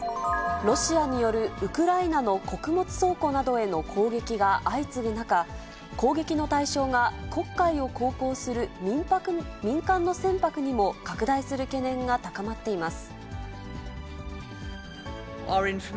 ロシアによるウクライナの穀物倉庫などへの攻撃が相次ぐ中、攻撃の対象が、黒海を航行する民間の船舶にも拡大する懸念が高まっています。